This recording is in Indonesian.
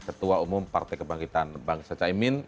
ketua umum partai kebangkitan bangsa caimin